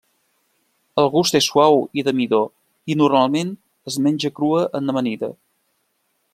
El gust és suau i de midó i normalment es menja crua en amanida.